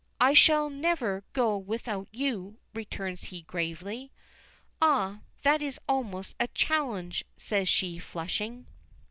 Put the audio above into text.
"I shall never go without you," returns he gravely. "Ah! that is almost a challenge," says she, flushing.